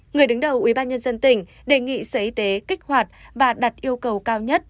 người đứng đầu ubnd tỉnh đề nghị sở y tế kích hoạt và đặt yêu cầu cao nhất